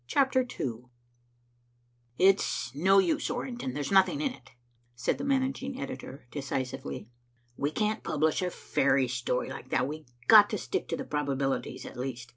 CHAPTER II "It's no use, Orrington, there's nothing in it," said the managing editor decisively. "We can't publish a fairy story like that. We've got to stick to probabilities, at least.